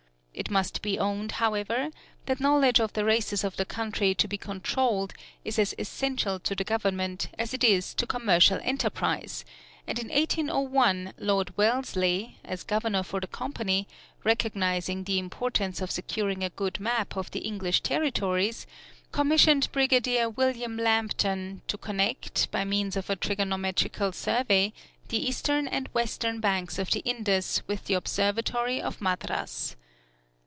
It must be owned, however, that knowledge of the races of the country to be controlled is as essential to the government as it is to commercial enterprise; and in 1801 Lord Wellesley, as Governor for the Company, recognizing the importance of securing a good map of the English territories, commissioned Brigadier William Lambton, to connect, by means of a trigonometrical survey, the eastern and western banks of the Indus with the observatory of Madras.